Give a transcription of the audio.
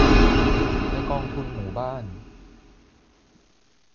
ในกองทุนหมู่บ้าน